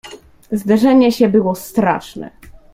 "Zderzenie się było straszne."